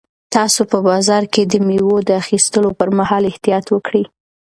تاسو په بازار کې د مېوو د اخیستلو پر مهال احتیاط وکړئ.